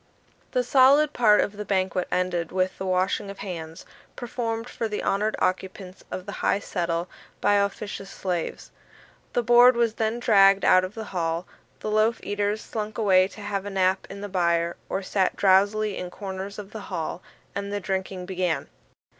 The solid part of the banquet ended with the washing of hands, performed for the honoured occupants of the high settle by officious slaves. The board was then dragged out of the hall; the loaf eaters slunk away to have a nap in the byre, or sat drowsily in corners of the hall; and the drinking began.